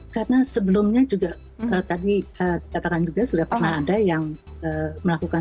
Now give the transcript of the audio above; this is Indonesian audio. karena sebelumnya juga tadi katakan juga sudah pernah ada yang melakukan